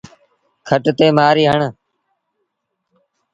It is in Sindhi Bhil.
کٽ تي مهآري هڻ۔